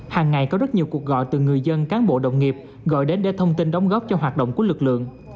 hàng ngày có rất nhiều cuộc gọi từ người dân cán bộ đồng nghiệp gọi đến để thông tin đóng góp cho hoạt động của lực lượng